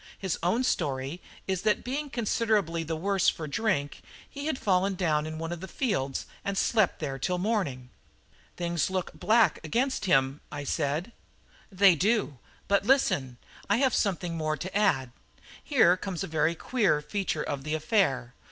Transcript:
His own story is that being considerably the worse for drink, he had fallen down in one of the fields and slept there till morning." "Things look black against him," I said. "They do; but listen, I have something more to add. Here comes a very queer feature in the affair.